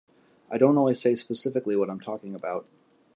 I don't always say specifically what I'm talking about.